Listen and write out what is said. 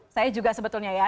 saya juga sebetulnya ya